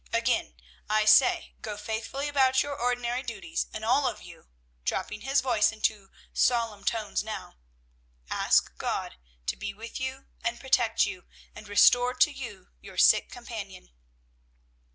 Again I say, go faithfully about your ordinary duties, and all of you" (dropping his voice into solemn tones now) "ask God to be with and protect you, and restore to you your sick companion."